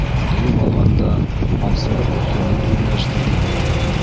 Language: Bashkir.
Дөйөм алғанда, малсылыҡ — өҫтөнлөклө йүнәлештәрҙең береһе.